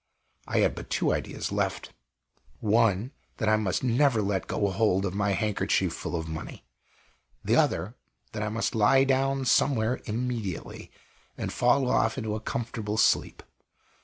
I had but two ideas left: one, that I must never let go hold of my handkerchief full of money; the other, that I must lie down somewhere immediately, and fall off into a comfortable sleep.